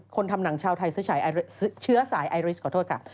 ทำหนังชาวไทยเสื้อสายไอริสขอโทษค่ะ